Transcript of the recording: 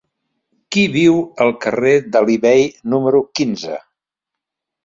Qui viu al carrer d'Alí Bei número quinze?